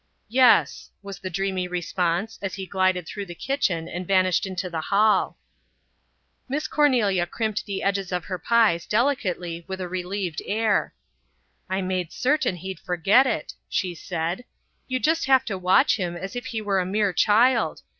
"Yes," was the dreamy response as he glided through the kitchen and vanished into the hall. Miss Cornelia crimped the edges of her pies delicately with a relieved air. "I made certain he'd forget it," she said. "You just have to watch him as if he were a mere child.